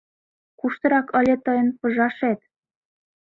Куштырак ыле тыйын пыжашет?